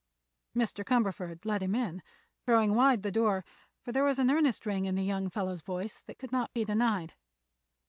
Mr. Cumberford let him in, throwing wide the door, for there was an earnest ring in the young fellow's voice that could not be denied.